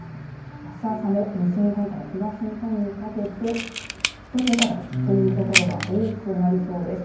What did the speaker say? あす朝も、西日本から東日本にかけて１桁台という所が多くなりそうです。